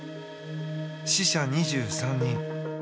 死者２３人